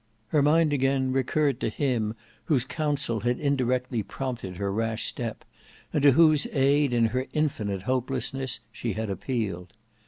Her mind again recurred to him whose counsel had indirectly prompted her rash step, and to whose aid in her infinite hopelessness she had appealed.